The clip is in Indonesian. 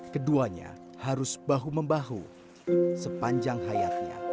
keduanya harus bahu membahu sepanjang hayatnya